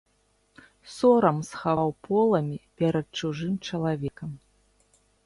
Сорам схаваў поламі перад чужым чалавекам.